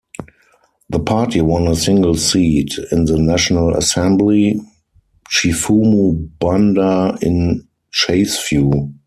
The party won a single seat in the National Assembly, Chifumu Banda in Chasefu.